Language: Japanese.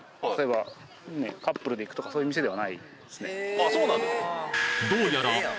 あそうなんですか。